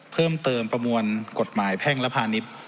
เพิ่มเติมประมวลกฎหมายแพ่งและพาณิชย์